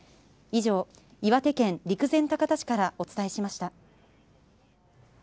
以上、岩手県陸前高田市からお伝えしました。